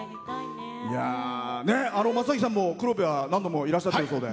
松崎さんも黒部は何度もいらっしゃっているそうで。